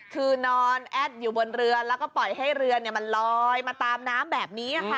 คือนอนแอดอยู่บนเรือแล้วก็ปล่อยให้เรือมันลอยมาตามน้ำแบบนี้ค่ะ